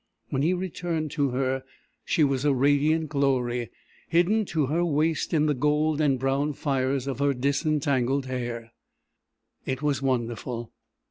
When he returned to her she was a radiant glory, hidden to her waist in the gold and brown fires of her disentangled hair. It was wonderful.